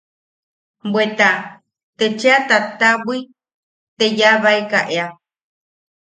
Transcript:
Bweta te cheʼa tataʼabwi te yaabaeka ea.